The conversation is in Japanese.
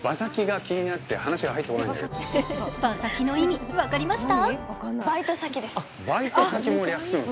バサキの意味、分かりました？